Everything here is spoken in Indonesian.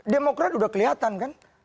demokrat udah kelihatan kan